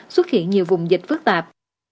xuất hiện nhiều vùng dịch phức tạp